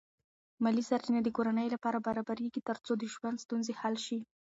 مالی سرچینې د کورنۍ لپاره برابرېږي ترڅو د ژوند ستونزې حل شي.